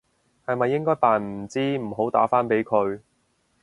係咪應該扮唔知唔好打返俾佢？